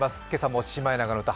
今朝も「シマエナガの歌」